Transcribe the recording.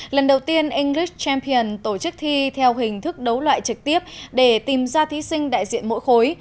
lần đầu tiên engrix champion tổ chức thi theo hình thức đấu loại trực tiếp để tìm ra thí sinh đại diện mỗi khối